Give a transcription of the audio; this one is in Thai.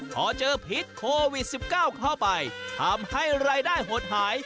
พอเจอพิษโควิด๑๙เข้าไปทำให้รายได้หดหาย